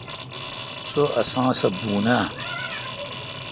سو اسان سہ بھون اے۔